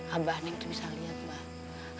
abah tuh bisa liat mah